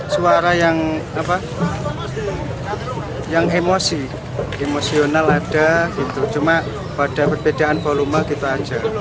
suara yang emosi emosional ada gitu cuma pada perbedaan volume gitu aja